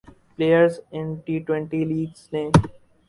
players in T twenty leagues نے